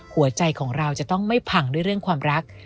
หัวใจของเราจะต้องไม่พังด้วยเรื่องความรัก